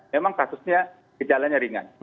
memang kasusnya gejalanya ringan